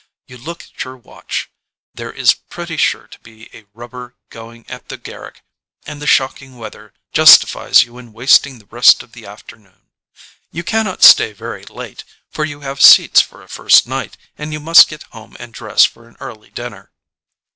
You look at your watch ; there is pretty sure to be a rubber 105 ON A CHINESE SCREEN going at the Garrick, and the shocking weather justifies you in wasting the rest of the afternoon. You cannot stay very late, for you have seats for a first night and you must get home and dress for an early dinner.